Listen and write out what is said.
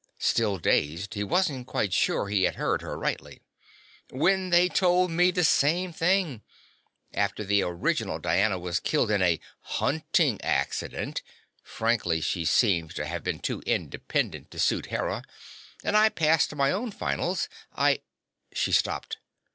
Still dazed, he wasn't quite sure he had heard her rightly. "When they told me the same thing. After the original Diana was killed in a 'hunting accident' frankly, she seems to have been too independent to suit Hera and I passed my own finals, I " She stopped.